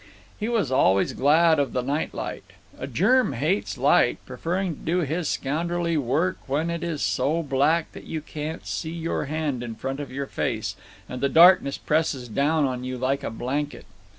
He was always glad of the night light. A germ hates light, preferring to do his scoundrelly work when it is so black that you can't see your hand in front of your face and the darkness presses down on you like a blanket.